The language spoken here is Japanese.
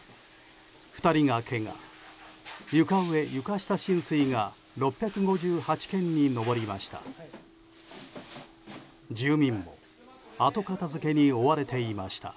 ２人がけが、床上・床下浸水が６５８軒に上りました。